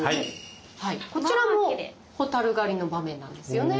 こちらも蛍狩りの場面なんですよね。